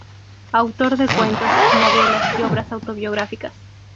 Autor de cuentos, novelas y obras autobiográficas.